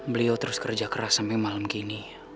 beliau terus kerja keras sampe malem gini